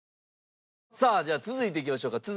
さあじゃあ続いていきましょうか。